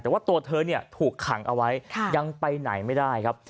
แต่ว่าตัวเธอเนี่ยถูกขังเอาไว้ยังไปไหนไม่ได้ครับ